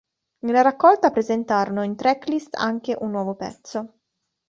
Nella raccolta presentarono in tracklist anche un nuovo pezzo.